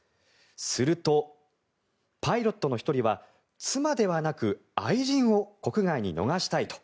すると、パイロットの１人は妻ではなく愛人を国外に逃したいと。